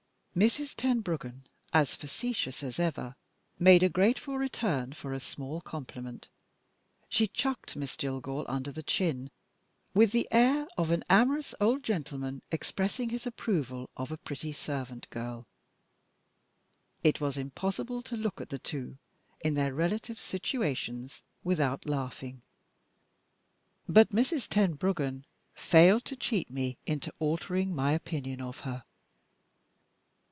Mrs. Tenbruggen, as facetious as ever, made a grateful return for a small compliment. She chucked Miss Jillgall under the chin, with the air of an amorous old gentleman expressing his approval of a pretty servant girl. It was impossible to look at the two, in their relative situations, without laughing. But Mrs. Tenbruggen failed to cheat me into altering my opinion of her.